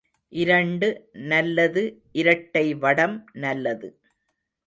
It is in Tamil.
இரண்டு நல்லது இரட்டை வடம் நல்லது!